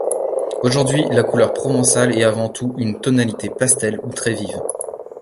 Aujourd'hui, la couleur provençale est avant tout une tonalité pastel ou très vive.